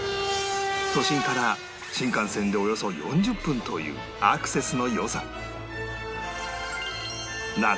都心から新幹線でおよそ４０分というアクセスの良さ